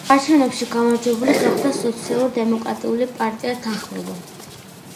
არჩევნებში გამარჯვებული გახდა სოციალ-დემოკრატიული პარტია „თანხმობა“.